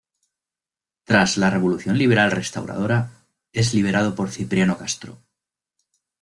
Tras la Revolución Liberal Restauradora es liberado por Cipriano Castro.